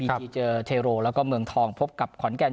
ทีเจอเทโรแล้วก็เมืองทองพบกับขอนแก่น